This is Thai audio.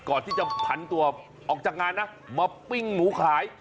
ก่อนที่จะผันตัวออกจากงานนะมาปิ้งหมูขาย